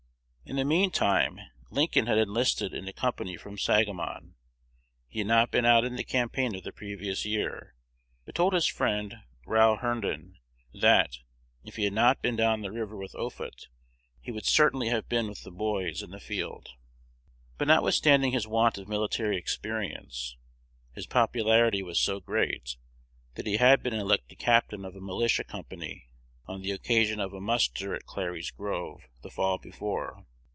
In the mean time Lincoln had enlisted in a company from Sangamon. He had not been out in the campaign of the previous year, but told his friend Row Herndon, that, if he had not been down the river with Offutt, he would certainly have been with the boys in the field. But, notwithstanding his want of military experience, his popularity was so great, that he had been elected captain of a militia company on the occasion of a muster at Clary's Grove the fall before.